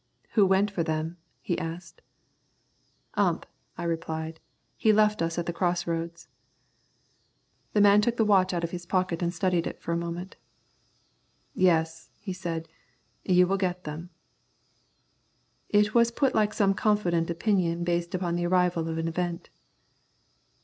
"Who went for them?" he asked. "Ump," I replied; "he left us at the crossroads." The man took his watch out of his pocket and studied for a moment. "Yes," he said, "you will get them." It was put like some confident opinion based upon the arrival of an event.